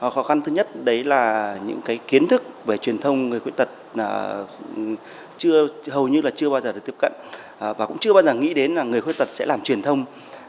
khó khăn thứ nhất đấy là những kiến thức về truyền thông người khuyết tật hầu như là chưa bao giờ được tiếp cận và cũng chưa bao giờ nghĩ đến là người khuyết tật sẽ làm truyền thông